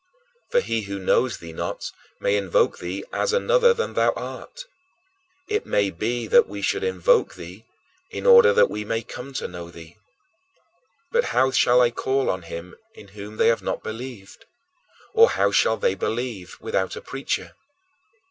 For he who knows thee not may invoke thee as another than thou art. It may be that we should invoke thee in order that we may come to know thee. But "how shall they call on him in whom they have not believed? Or how shall they believe without a preacher?"